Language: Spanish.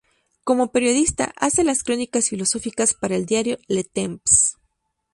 Como periodista, hace las crónicas filosóficas para el diario "Le Temps".